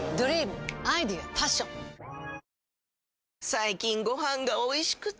最近ご飯がおいしくて！